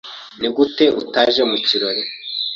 Nigute utaje mu kirori?